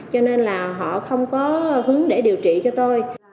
cho nên là họ không có hướng để điều trị cho tôi